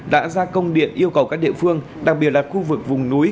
đã ra công điện yêu cầu các địa phương đặc biệt là khu vực vùng núi